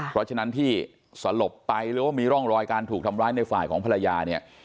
เพราะฉะนั้นที่สลบไปหรือว่ามีร่องรอยการถูกทำร้ายในฝ่ายของภรรยาเนี่ย